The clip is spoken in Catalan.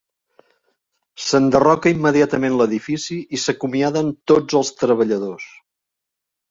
S'enderroca immediatament l'edifici i s'acomiaden tots els treballadors.